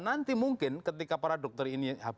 nanti mungkin ketika para dokter ini habis dari dpr